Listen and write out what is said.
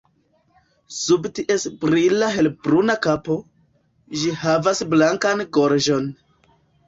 Sub ties brila helbruna kapo, ĝi havas blankan gorĝon.